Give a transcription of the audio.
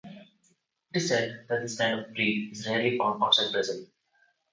It is said that this kind of breed is rarely found outside Brazil.